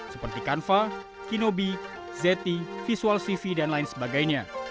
seperti canva kinobi zeti visual cv dan lain sebagainya